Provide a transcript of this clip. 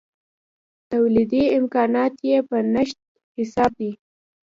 تولیدي امکانات یې په نشت حساب دي.